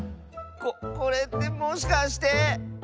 ここれってもしかして。